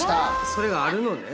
それがあるのね。